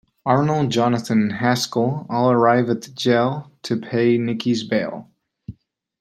Arnold, Jonathan, and Haskell all arrive at the jail to pay Nicki's bail.